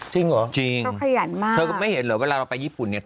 จริงเหรอจริงเธอขยันมากเธอก็ไม่เห็นเหรอเวลาเราไปญี่ปุ่นเนี่ย